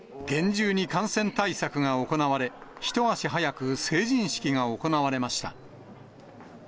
厳重に感染対策が行われ、一足早く成人式が行われました。